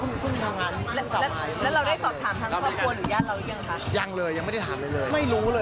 พี่จริงอยากจะว่ากรณีญาติเราที่ให้สำคัญแบบสื่อ